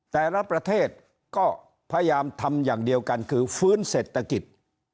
แต่ละประเทศก็พยายามทำอย่างเดียวกันคือฟื้นเศรษฐกิจ